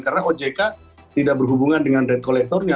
karena ojk tidak berhubungan dengan debt collectornya